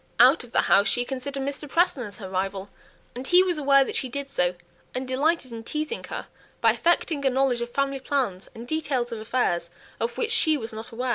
Out of the house she considered Mr. Preston as her rival, and he was aware that she did so, and delighted in teasing her by affecting a knowledge of family plans and details of affairs of which she was ignorant.